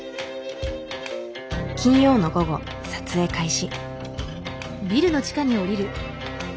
金曜の午後撮影開始。